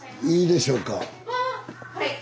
いいでしょうか？